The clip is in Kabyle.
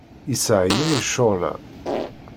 Yesseɛyay ccɣel-a.